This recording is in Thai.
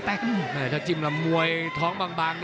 แต่ถ้าจิ้มลำมวยท้องบาง